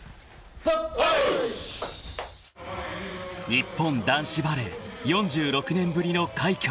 ［日本男子バレー４６年ぶりの快挙へ］